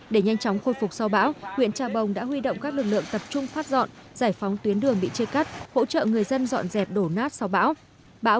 để nhanh chóng khôi phục sau bão huyện trà bồng đã huy động các lực lượng tập trung phát dọn giải phóng tuyến đường bị chê cắt hỗ trợ người dân dọn dẹp đổ nát sau bão